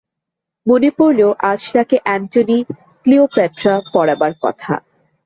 মনে পড়ল, আজ তাকে অ্যাণ্টনি ক্লিয়োপ্যাট্রা পড়াবার কথা।